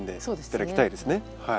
そうですね。